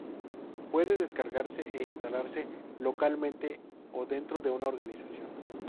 Puede descargarse e instalarse localmente o dentro de una organización.